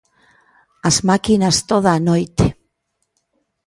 As máquinas toda a noite...